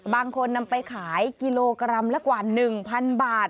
บางคนนำไปขายกิโลกรัมละกว่า๑๐๐๐บาท